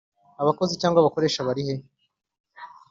abakozi cyangwa abakoresha barihe